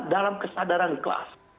dalam kesadaran kelas